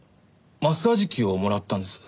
マッサージ器をもらったんです。